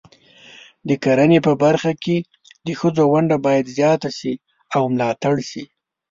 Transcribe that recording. د کرنې په برخه کې د ښځو ونډه باید زیاته شي او ملاتړ شي.